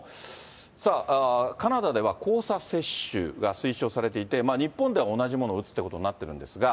さあ、カナダでは交差接種が推奨されていて、日本では同じものを打つってことになってるんですが。